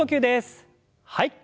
はい。